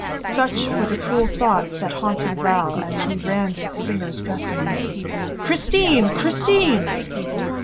Such were the cruel thoughts that haunted Raoul as he ran to the singer's dressing room. "Christine! Christine!"